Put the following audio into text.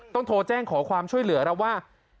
ต้องโทรแจ้งขอความช่วยเหลือแล้วว่า